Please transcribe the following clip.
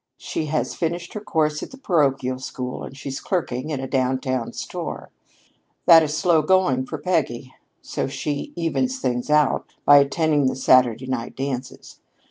She has finished her course at the parochial school and she's clerking in a downtown store. That is slow going for Peggy, so she evens things up by attending the Saturday night dances.